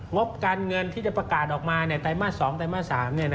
งบการเงินที่จะประกาศออกมาไตรมาส๒ไตรมาส๓